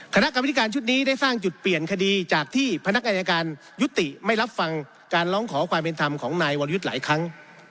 คณะกรรมธิการชุดนี้ได้สร้างจุดเปลี่ยนคดีจากที่พนักอายการยุติไม่รับฟังการร้องขอความเป็นธรรมของนายวรยุทธ์หลายครั้ง